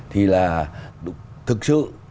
thì là thực sự